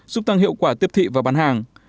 giúp tăng hiệu quả tiếp thị và bán hàng